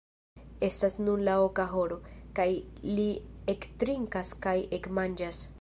Estas nun la oka horo, kaj li ektrinkas kaj ekmanĝas.